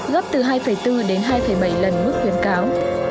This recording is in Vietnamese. gấp từ hai bốn đến hai bảy lần mức khuyến cáo